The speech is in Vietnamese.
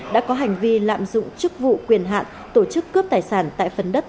đã có hành vi lạm dụng chức vụ quyền hạn tổ chức cướp tài sản tại phần đất